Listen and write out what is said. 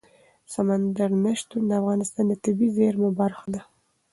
سمندر نه شتون د افغانستان د طبیعي زیرمو برخه ده.